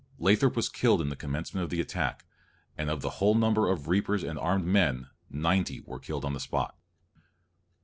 Lathrop was killed at the commencement of the attack; and of the whole number of reapers and armed men, ninety were killed on the spot.